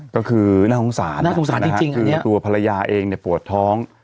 ก็คือน่าขงสารนะฮะคือตัวภรรยาเองเนี่ยปวดท้อง